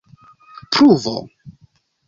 pruvo